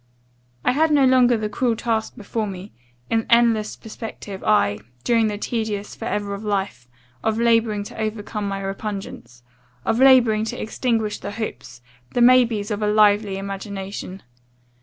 I had no longer the cruel task before me, in endless perspective, aye, during the tedious for ever of life, of labouring to overcome my repugnance of labouring to extinguish the hopes, the maybes of a lively imagination.